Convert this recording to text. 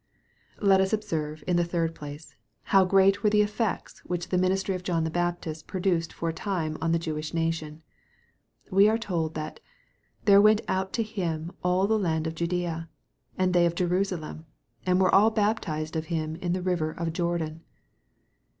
Let us observe, in the third place, how great were the effects which the ministry of John the Baptist produced for a time on the Jewish nation. We are told that " there went out to him all the land of Judaea, and they of Jerusalem, and were all baptized of him in the river of Jordan."